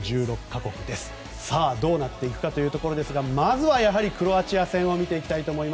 どうなっていくのかというところですがまずはクロアチア戦を見ていきましょう。